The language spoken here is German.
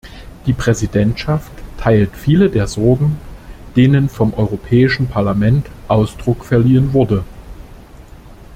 Die Präsidentschaft teilt viele der Sorgen, denen vom Europäischen Parlament Ausdruck verliehen wurde.